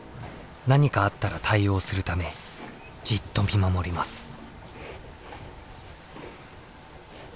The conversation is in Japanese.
何かあったら対応するためじっと見守ります。